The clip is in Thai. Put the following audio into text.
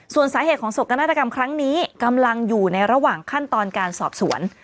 ส่วนสาเหตุของศกนาฏกรรมครั้งนี้กำลังอยู่ในระหว่างขั้นตอนการสอบสวน